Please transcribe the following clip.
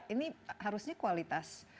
ini harusnya kualitas